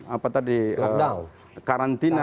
apa tadi lockdown karantina